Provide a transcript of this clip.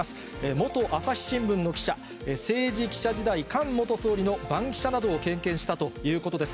元朝日新聞の記者、政治記者時代、菅元総理の番記者などを経験したということです。